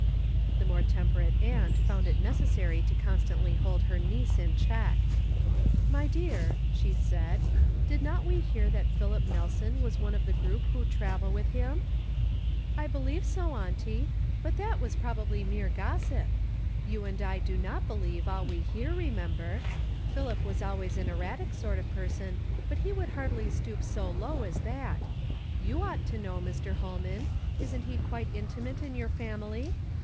The more temperate aurt found it necessary to constantly hold her niece ii. check. "My dear," she said, "did not we hear that Philip Nelson was one of the group who travel with him ?" m 124 YESTERDAY FRAMED IK TO DAY. "I believe so, auntie; but that was probably mere go; sip. You and I do not believe all we hear, remember. Philip was always an oiiatic sort of pei son, but he would hardly stoop so low as tliat. You ought to know, Mr. liolman. Isn't ho quite intimate in your family?